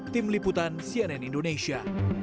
tim liputan cnn indonesia